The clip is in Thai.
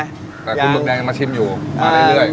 แต่คุณหมึกแดงยังมาชิมอยู่มาเรื่อย